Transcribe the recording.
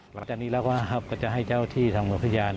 หลังจากนี้แล้วก็จะให้เจ้าที่ทางหัวพยาน